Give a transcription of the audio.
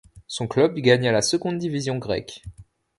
Son club gagna la seconde division grecque.